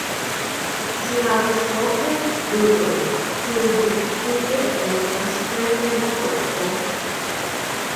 Ĝi havas longajn krurojn kiuj dumfluge etendas preter la korpo.